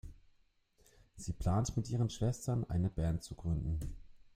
Sie plant mit ihren Schwestern eine Band zu gründen.